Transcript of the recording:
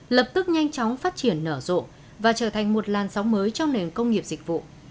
lập tức nhanh chóng phát triển nở rộ và trở thành một làn sóng mới trong nền công nghiệp dịch vụ